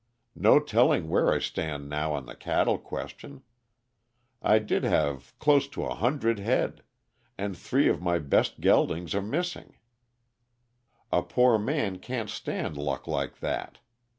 No telling where I stand now on the cattle question. I did have close to a hundred head and three of my best geldings are missing a poor man can't stand luck like that.